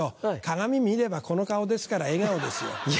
鏡見ればこの顔ですから笑顔ですよ。